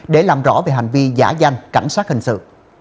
để làm rõ về hành vi giả danh cảnh sát hình sự